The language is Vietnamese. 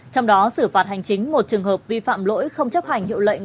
trong đó xử phạt hành chính một trường hợp vi phạm lỗi không chấp hành hiệu lệnh